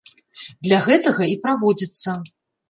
Для гэтага і праводзіцца.